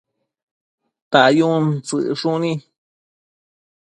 dayun tsëcshuni